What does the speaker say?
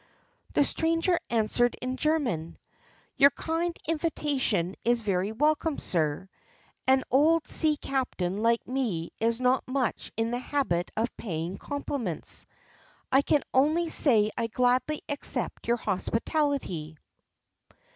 The stranger answered in German: "Your kind invitation is very welcome, sir. An old sea captain like me is not much in the habit of paying compliments; I can only say I gladly accept your hospitality."